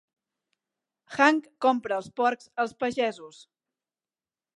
Hank compra els porcs als pagesos.